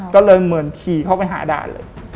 ก็เลยเหมือนขี่เข้าไปหาด่านเลย